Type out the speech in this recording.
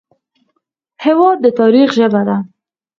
هېواد د تاریخ ژبه ده.